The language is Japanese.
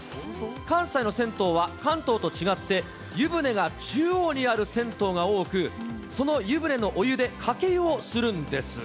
関西の銭湯は、関東と違って、湯船が中央にある銭湯が多く、その湯船のお湯でかけ湯をするんです。